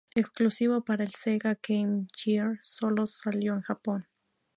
Exclusivo para el Sega Game Gear, solo salió en Japón.